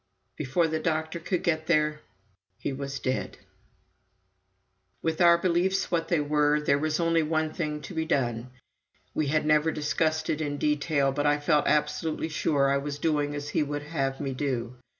Before the doctor could get there, he was dead. With our beliefs what they were, there was only one thing to be done. We had never discussed it in detail, but I felt absolutely sure I was doing as he would have me do.